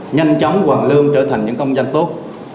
nhanh chóng hoàn lương trở thành những công dân tốt